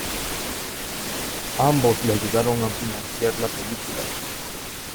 Ambos le ayudaron a financiar la película.